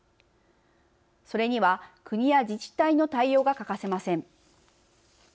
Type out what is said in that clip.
それには国や自治体の対応が欠かせません。